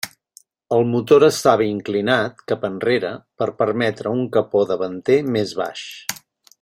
El motor estava inclinat cap enrere per permetre un capot davanter més baix.